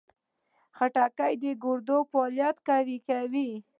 خټکی د ګردو فعالیت پیاوړی کوي.